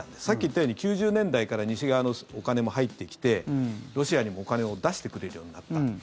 さっき言ったように９０年代から西側のお金も入ってきてロシアにも、お金を出してくれるようになった。